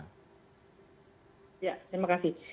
ya terima kasih